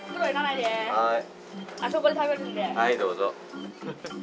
はい、どうぞ。